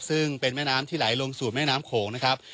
ซึ่งเป็นแม่น้ำที่ไหลลงสู่แม่น้ำโขงนะครับ